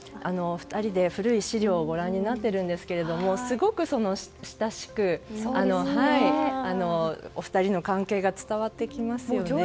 ２人で古い資料をご覧になっているんですけれどすごく親しくお二人の関係が伝わってきますよね。